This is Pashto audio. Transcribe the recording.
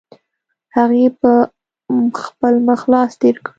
هغې په خپل مخ لاس تېر کړ.